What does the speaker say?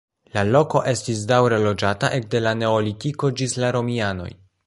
La loko estis daŭre loĝata ekde la neolitiko ĝis la romianoj.